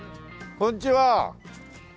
こんにちは。